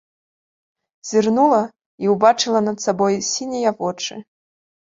Зірнула і ўбачыла над сабой сінія вочы.